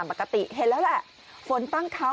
อำเภอไซน้อยจังหวัดนนทบุรี